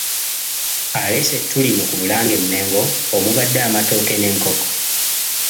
Aleese ettu lino ku Bulange e Mmengo omubadde amatooke n'enkoko.